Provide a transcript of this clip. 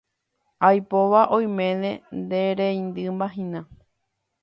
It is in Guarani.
Aipóva oiméne nereindymahína.